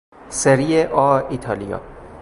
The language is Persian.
سری آ ایتالیا